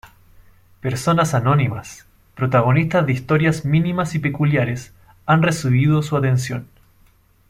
Personas anónimas, protagonistas de historias mínimas y peculiares, han recibido su atención.